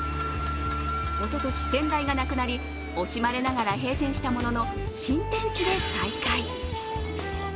おととし、先代が亡くなり惜しまれながら閉店したものの新天地で再開。